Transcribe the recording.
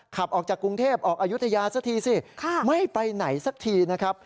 ขับออกจากกรุงเทพออกอายุทยาสักทีสิไม่ไปไหนสักทีนะครับ